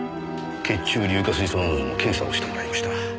血中硫化水素濃度の検査をしてもらいました。